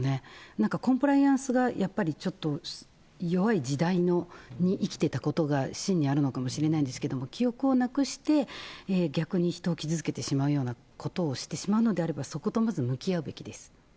なんかコンプライアンスがやっぱりちょっと、弱い時代に生きてたことがしんにあるのかもしれないんですけど、記憶をなくして、逆に人を傷つけてしまうようなことをしてしまうのであれば、そことまず向き合うべきです。